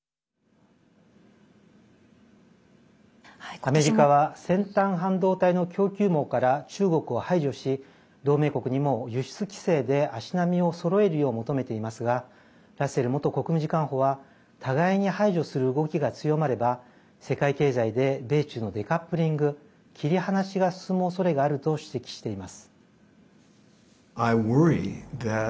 アメリカは先端半導体の供給網から中国を排除し同盟国にも輸出規制で、足並みをそろえるよう求めていますがラッセル元国務次官補は互いに排除する動きが強まれば世界経済で米中のデカップリング＝切り離しが進むおそれがあると指摘しています。